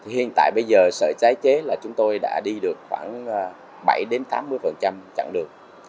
hiện tại bây giờ sợi tái chế là chúng tôi đã đi được khoảng bảy tám mươi chặn được